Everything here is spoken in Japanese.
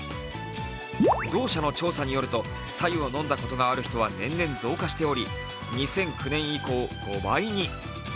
同社の調査によると、白湯を飲んだことがある人は年々増加しており２００９年以降、５倍に。